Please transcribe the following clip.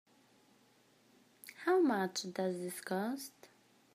How much does this cost?